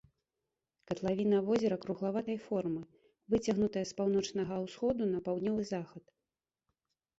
Катлавіна возера круглаватай формы, выцягнутая з паўночнага ўсходу на паўднёвы захад.